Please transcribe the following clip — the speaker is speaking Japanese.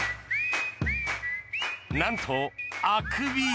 なんと、あくび。